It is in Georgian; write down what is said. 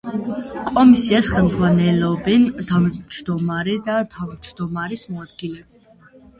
კომისიას ხელმძღვანელობენ თავმჯდომარე და თავმჯდომარის მოადგილე.